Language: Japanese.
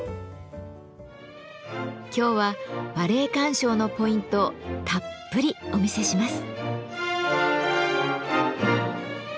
今日はバレエ鑑賞のポイントをたっぷりお見せします。